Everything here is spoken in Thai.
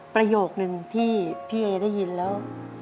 ประโยคนึงที่พี่เอได้ยินแล้ว